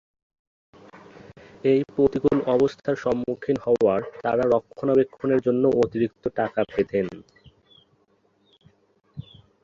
এ প্রতিকূল অবস্থার সম্মুখীন হওয়ার তারা রক্ষণাবেক্ষণের জন্য অতিরিক্ত টাকা পেতেন